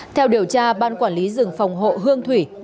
theo điều tra ban quản lý rừng phòng hộ hương thủy